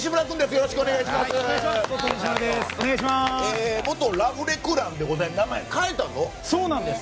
よろしくお願いします。